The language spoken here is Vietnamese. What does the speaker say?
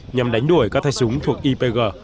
nhằm đánh đuổi các thai súng thuộc ypg